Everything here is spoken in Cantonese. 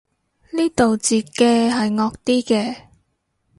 呢度截嘅係惡啲嘅